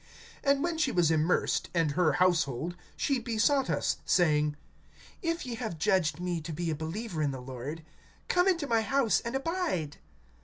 (15)And when she was immersed and her household, she besought us, saying: If ye have judged me to be a believer in the Lord, come into my house, and abide.